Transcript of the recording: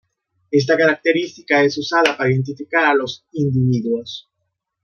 Esta característica es usada para identificar a los individuos.